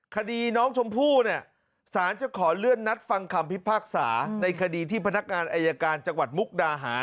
คดีน้องชมพู่เนี่ยสารจะขอเลื่อนนัดฟังคำพิพากษาในคดีที่พนักงานอายการจังหวัดมุกดาหาร